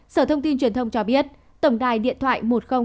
sở thông tin truyền thông cho biết tổng đài điện thoại một nghìn hai mươi hai